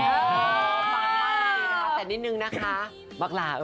อ๋อฟังมาดีแต่นิดนึงนะคะบักลาเออ